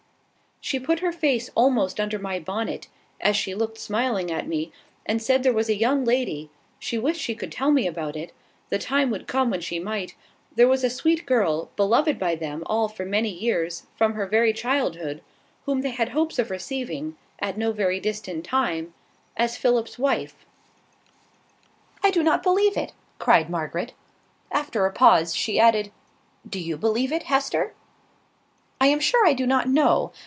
"She put her face almost under my bonnet, as she looked smiling at me, and said there was a young lady she wished she could tell me all about it the time would come when she might there was a sweet girl, beloved by them all for many years, from her very childhood, whom they had hopes of receiving, at no very distant time, as Philip's wife." "I do not believe it," cried Margaret. After a pause, she added, "Do you believe it, Hester?" "I am sure I do not know.